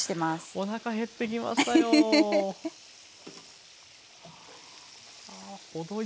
おなか減ってきましたよ。